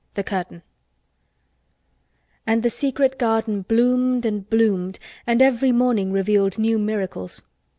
THE CURTAIN And the secret garden bloomed and bloomed and every morning revealed new miracles.